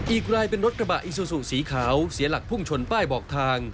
อีกรายเป็นรถกระบะอิซูซูสีขาวเสียหลักพุ่งชนป้ายบอกทาง